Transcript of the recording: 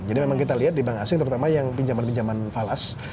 jadi memang kita lihat di bank asing terutama yang pinjaman pinjaman falas